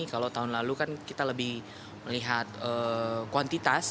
kalau tahun lalu kan kita lebih melihat kuantitas